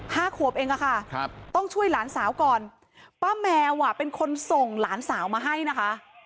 ห้าขวบเองอะค่ะครับต้องช่วยหลานสาวก่อนป้าแมวอ่ะเป็นคนส่งหลานสาวมาให้นะคะ